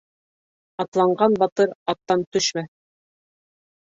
Атланған батыр аттан төшмәҫ.